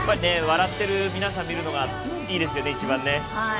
笑ってる皆さんを見るのがいいですよね、一番ね。